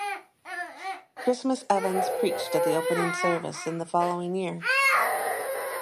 Christmas Evans preached at its opening service in the following year.